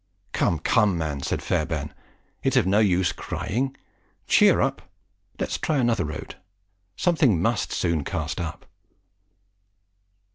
"Come, come, man!" said Fairbairn, "it's of no use crying; cheer up; let's try another road; something must soon cast up."